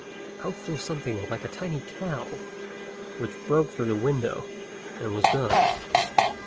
out flew something like a tiny cow, which broke through the window, and was gone.